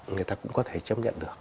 người ta cũng có thể chấp nhận được